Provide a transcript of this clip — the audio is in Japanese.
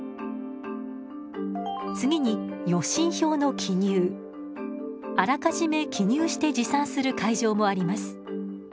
次にあらかじめ記入して持参する会場もあります。